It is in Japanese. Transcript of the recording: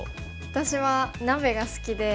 私は鍋が好きで。